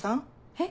えっ？